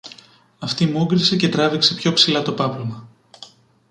Αυτή μούγκρισε και τράβηξε πιο ψηλά το πάπλωμα